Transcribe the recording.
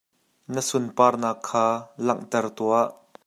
Na sunparnak kha langhter tuah.